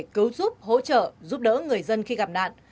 cứu giúp hỗ trợ giúp đỡ người dân khi gặp nạn